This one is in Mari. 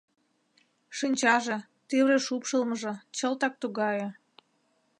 Шинчаже, тӱрвӧ шупшылмыжо чылтак тугае.